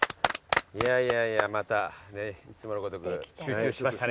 いやいやまたいつものごとく集中しましたね